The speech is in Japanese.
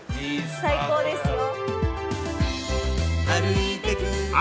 最高ですよ。